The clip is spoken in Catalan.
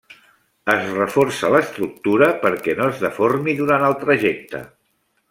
Es reforça l’estructura perquè no es deformi durant el trajecte.